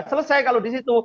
selesai kalau di situ